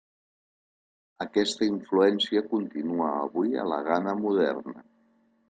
Aquesta influència continua avui a la Ghana moderna.